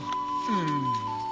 うん。